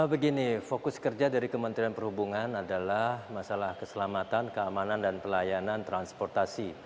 begini fokus kerja dari kementerian perhubungan adalah masalah keselamatan keamanan dan pelayanan transportasi